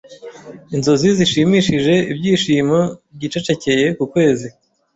Inzozi zishimishije iByishimo byicecekeye kukwezi